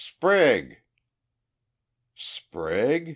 Sprague!" "Sprague?"